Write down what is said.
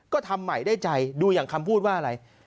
ก็ทำใหม่ได้ใจดูอย่างคำพูดว่าอะไร